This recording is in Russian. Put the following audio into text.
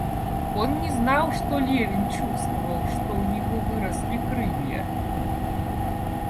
Он не знал, что Левин чувствовал, что у него выросли крылья.